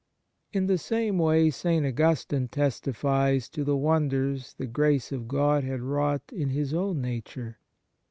In the same way St. Augustine testifies to the wonders the grace of God had wrought in his own nature.